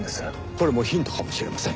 これもヒントかもしれません。